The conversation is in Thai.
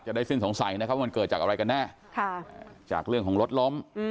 จะได้ซึ่งสงสัยมันเกิดจากอะไรกันเนี้ยจากเรื่องของรถล้อม